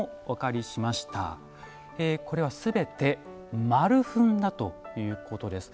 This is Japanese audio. これは全て丸粉だということです。